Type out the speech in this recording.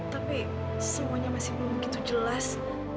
tapi semuanya masih belum begitu jelas